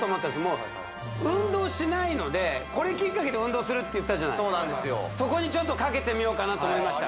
もう運動しないのでこれきっかけで運動するって言ったじゃないそこにちょっとかけてみようかなと思いました